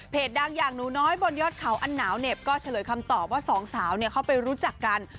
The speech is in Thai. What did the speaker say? ดังอย่างหนูน้อยบนยอดเขาอันหนาวเหน็บก็เฉลยคำตอบว่าสองสาวเขาไปรู้จักกัน